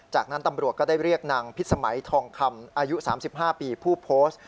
จากนั้นตำรวจก็ได้เรียกนางพิษสมัยทองคำอายุ๓๕ปีผู้โพสต์